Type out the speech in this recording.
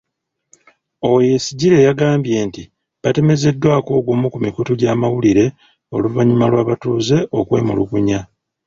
Owoyesigire yagambye nti, batemezeddwako ogumu ku mikutu gy’amawulire oluvannyuma lw’abatuuze okwemulugunya.